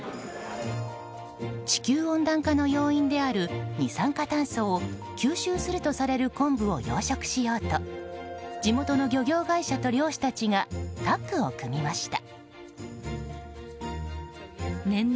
地球温暖化の要因である二酸化炭素を吸収するとされる昆布を養殖しようと地元の漁業会社と漁師たちがタッグを組みました。